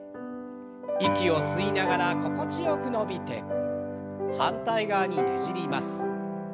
息を吸いながら心地よく伸びて反対側にねじります。